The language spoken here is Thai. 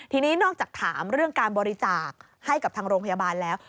ทีนี้นอกจากถามเรื่องการบริจาคให้กับทางโรงพยาบาลแล้ว